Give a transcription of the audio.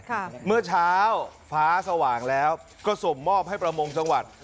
เมื่อเช้าฟ้าสว่างแล้วก็ส่งมอบให้ประมงจังหวัด